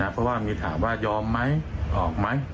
เพราะว่ามีถามว่ายอมไหมออกไหม